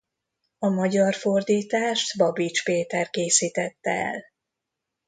A magyar fordítást Babits Péter készítette el.